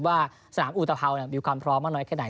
ว่าสนามอุตภาวมีความพร้อมมากน้อยแค่ไหน